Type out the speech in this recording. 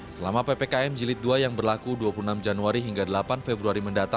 selama ppkm jilid dua yang berlaku dua puluh enam januari hingga delapan februari